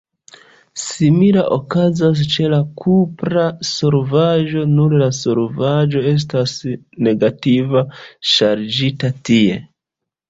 Simila okazas ĉe la kupra solvaĵo, nur la solvaĵo estas negative ŝargita tie.